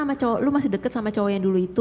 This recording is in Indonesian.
sama cowok lu masih deket sama cowok yang dulu itu